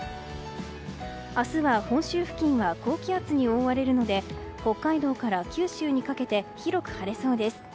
明日は本州付近は高気圧に覆われるので北海道から九州にかけて広く晴れそうです。